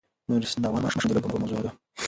نورستان د افغان ماشومانو د لوبو موضوع ده.